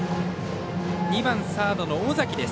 ２番サードの尾崎です。